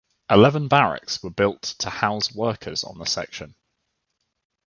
Eleven barracks were built to house workers on the section.